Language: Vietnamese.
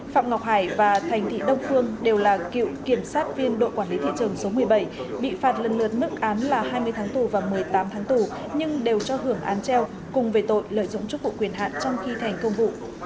phạm ngọc hải và thành thị đông phương đều là cựu kiểm sát viên đội quản lý thị trường số một mươi bảy bị phạt lần lượt mức án là hai mươi tháng tù và một mươi tám tháng tù nhưng đều cho hưởng án treo cùng về tội lợi dụng chức vụ quyền hạn trong khi thành công vụ